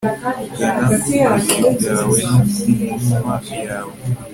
Kugana ku buriri bwawe no ku numa yawe